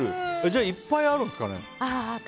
じゃあ、いっぱいあるんですかね。